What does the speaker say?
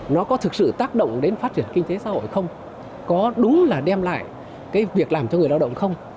nó có thực sự tác động đến phát triển kinh tế xã hội không có đúng là đem lại cái việc làm cho người lao động không